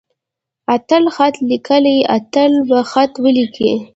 اتل خط ليکي. اتل به خط وليکي.